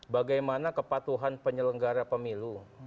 bagaimana kepatuhan penyelenggara pemilu